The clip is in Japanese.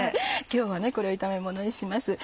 今日はこれを炒めものにします。